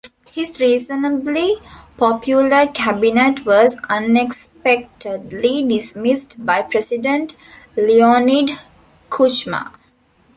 His reasonably popular cabinet was unexpectedly dismissed by President Leonid Kuchma.